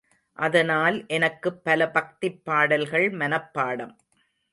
அதனால் எனக்குப் பல பக்திப் பாடல்கள் மனப்பாடம்.